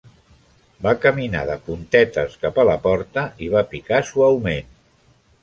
Va caminar de puntetes cap a la porta i va picar suaument.